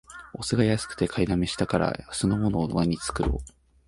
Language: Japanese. お酢が安くて買いだめしたから、酢の物を毎日作ろう